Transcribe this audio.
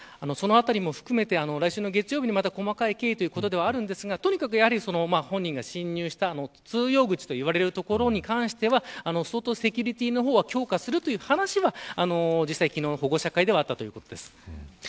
そのあたりも含め来週の月曜日に細かい説明をということではありますが本人が侵入した通用口といわれるところに関しては相当セキュリティーの方は強化するという話は実際、昨日の保護者会ではあったということです。